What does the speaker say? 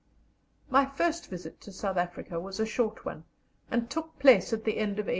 My first visit to South Africa was a short one, and took place at the end of 1895.